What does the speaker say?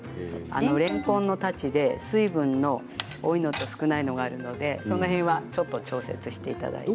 れんこんのたちで水分の多いと少ないのがあるのでその辺はちょっと調節していただいて。